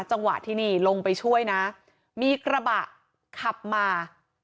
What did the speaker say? จังหวะที่นี่ลงไปช่วยนะมีกระบะขับมา